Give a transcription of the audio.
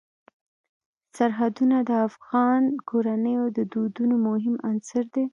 سرحدونه د افغان کورنیو د دودونو مهم عنصر دی.